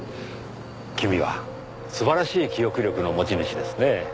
君は素晴らしい記憶力の持ち主ですねぇ。